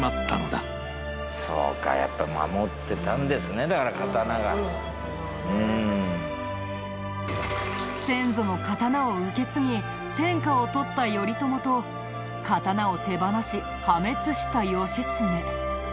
そうかやっぱ先祖の刀を受け継ぎ天下を取った頼朝と刀を手放し破滅した義経。